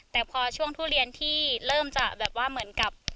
แต่พอช่วงทุเรียนที่เริ่มจะแบบว่าเหมือนกับ